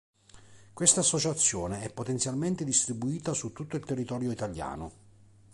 Questa associazione è potenzialmente distribuita su tutto il territorio italiano.